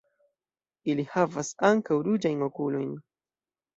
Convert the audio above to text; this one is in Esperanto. Ili havas ankaŭ ruĝajn okulojn.